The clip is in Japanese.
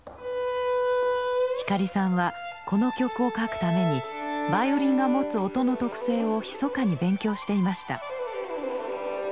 光さんはこの曲を書くためにバイオリンが持つ音の特性をひそかに勉強していました。